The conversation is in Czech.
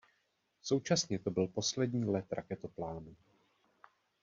Současně to byl poslední let raketoplánu.